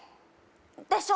でしょ？